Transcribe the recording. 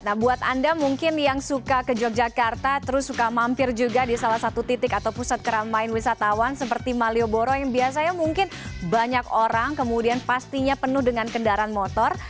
nah buat anda mungkin yang suka ke yogyakarta terus suka mampir juga di salah satu titik atau pusat keramaian wisatawan seperti malioboro yang biasanya mungkin banyak orang kemudian pastinya penuh dengan kendaraan motor